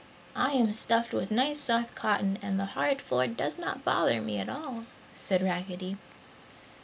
"I am stuffed with nice soft cotton and the hard floor does not bother me at all!" said Raggedy.